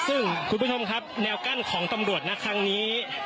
ซึ่งคุณผู้ชมครับแนวกั้นของตำรวจนะครั้งนี้